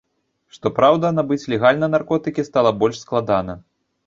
Што праўда, набыць легальныя наркотыкі стала больш складана.